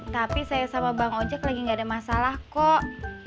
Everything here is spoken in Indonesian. tapi saya sama bang ojek lagi gak ada masalah kok